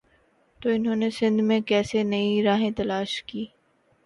تو انہوں نے سندھ میں کیسے نئی راہیں تلاش کیں۔